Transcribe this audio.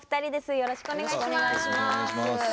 よろしくお願いします。